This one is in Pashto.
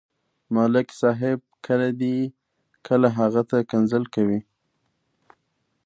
ملک صاحب کله دې، کله هغه ته کنځل کوي.